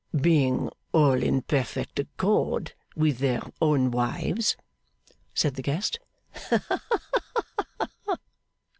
'Being all in perfect accord with their own wives?' said the guest. 'Haha!